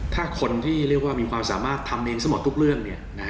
ถ้าคนที่เรียกว่ามีความสามารถทำเองซะหมดทุกเรื่อง